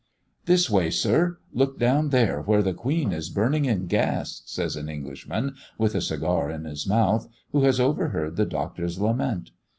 "This way, sir! Look down there where the Queen is burning in gas," says an Englishman, with a cigar in his mouth, who has overheard the Doctor's lament.